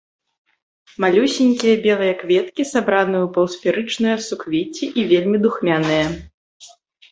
Малюсенькія белыя кветкі сабраны ў паўсферычныя суквецці і вельмі духмяныя.